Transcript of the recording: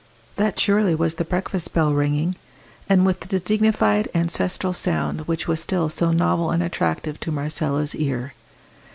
That surely was the breakfast bell ringing, and with the dignified ancestral sound which was still so novel and attractive to Marcella's ear.